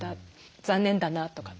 残念だなとかって。